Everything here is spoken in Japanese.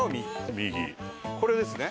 これですね。